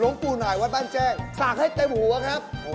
ลุงกูหน่าเองใบ่บ้านแจ้งสักให้เต็มหัวครับ